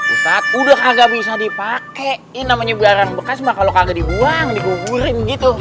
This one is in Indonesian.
ustadz udah kagak bisa dipakein namanya biaran bekas mah kalau kagak dibuang dikuburin gitu